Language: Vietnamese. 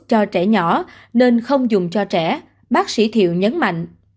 cho trẻ nhỏ nên không dùng cho trẻ bác sĩ thiệu nhấn mạnh